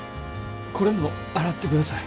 これも洗ってください。